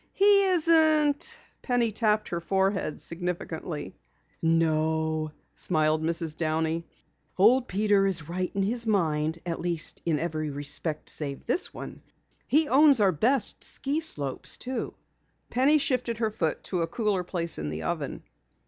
"He isn't ?" Penny tapped her forehead significantly. "No," smiled Mrs. Downey. "Old Peter is right in his mind, at least in every respect save this one. He owns our best ski slopes, too." Penny shifted her foot to a cooler place in the oven.